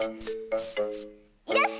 よし！